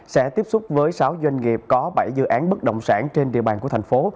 sẽ tiếp xúc với sáu doanh nghiệp có bảy dự án bất động sản trên địa bàn của thành phố